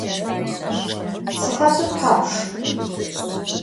Sıhatır txapş?